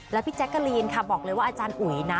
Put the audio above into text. แล้วพี่แจ๊กกะลีนค่ะบอกเลยว่าอาจารย์อุ๋ยนะ